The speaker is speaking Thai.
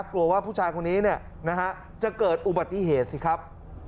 กลัวว่าผู้ชายคนนี้จะเกิดอุบัติเหตุสิครับ